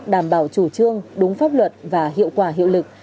đảm bảo chủ trương đúng pháp luật và hiệu quả hiệu lực